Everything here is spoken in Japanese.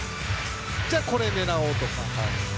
じゃあ、これ狙おうとか。